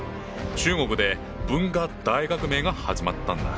中国で文化大革命が始まったんだ。